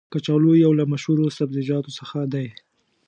کچالو یو له مشهورو سبزیجاتو څخه دی.